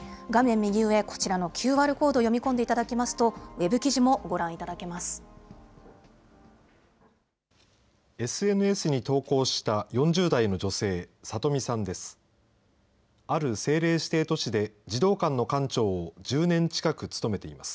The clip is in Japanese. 右上、こちらのＱＲコードを読み込んでいただきますと、ウェブ記事もごＳＮＳに投稿した４０代の女性、さとみさんです。